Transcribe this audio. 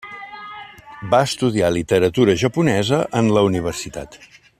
Va estudiar literatura japonesa en la universitat.